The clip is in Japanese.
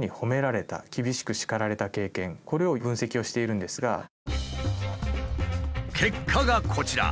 これですね結果がこちら。